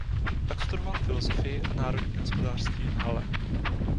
Pak studoval filozofii a národní hospodářství v Halle.